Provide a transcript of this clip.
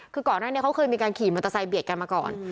คือก่อนหน้านี้เขาเคยมีการขี่มอเตอร์ไซค์เบียดกันมาก่อน